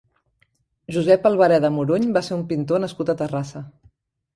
Josep Albareda Moruny va ser un pintor nascut a Terrassa.